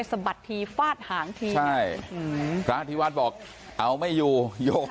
สะบัดทีฟาดหางทีใช่ฮือฟาดทีฟาดบอกเอาไม่อยู่โยม